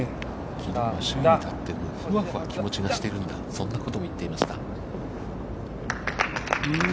きのうは首位に立ってふわふわ気持ちがしているんだとそんなことも言っていました。